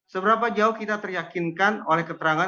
seberapa jauh kita teryakinkan oleh keterangan